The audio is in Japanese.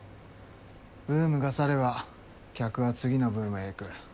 ブームが去れば客は次のブームへ行く。